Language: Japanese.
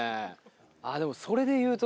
あっでもそれでいうと。